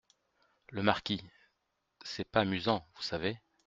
Le Marquis - C’est pas amusant, vous savez.